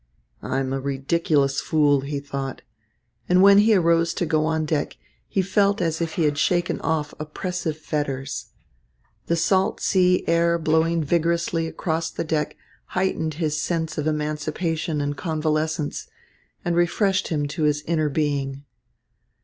"I'm a ridiculous fool," he thought, and when he arose to go on deck, he felt as if he had shaken off oppressive fetters. The salt sea air blowing vigorously across the deck heightened his sense of emancipation and convalescence and refreshed him to his inner being.